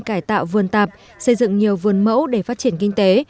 cải tạo vườn tạp xây dựng nhiều vườn mẫu để phát triển kinh tế